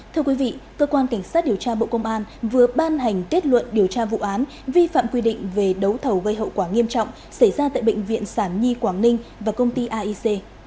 thưa quý vị cơ quan cảnh sát điều tra bộ công an vừa ban hành kết luận điều tra vụ án vi phạm quy định về đấu thầu gây hậu quả nghiêm trọng xảy ra tại bệnh viện sản nhi quảng ninh và công ty aic